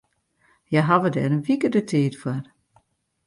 Hja hawwe dêr in wike de tiid foar.